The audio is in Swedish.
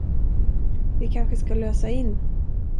Vi kanske ska lösa in.